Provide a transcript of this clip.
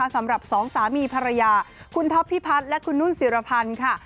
สำหรับสองสามีภรรยาคุณท็อปพิพัฒน์และคุณนุ่นศิรพันธ์ค่ะ